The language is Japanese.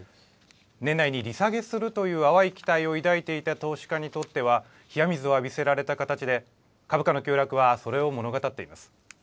年内に利下げするという淡い期待を抱いていた投資家にとっては、冷や水を浴びせられた形で、株価の急落はそれを物語っています。